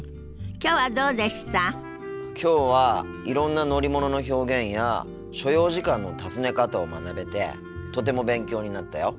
きょうはいろんな乗り物の表現や所要時間の尋ね方を学べてとても勉強になったよ。